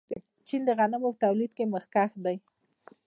چین د غنمو په تولید کې مخکښ دی.